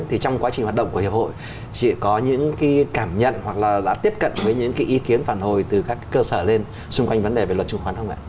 thì trong quá trình hoạt động của hiệp hội chị có những cái cảm nhận hoặc là tiếp cận với những cái ý kiến phản hồi từ các cơ sở lên xung quanh vấn đề về luật chứng khoán không ạ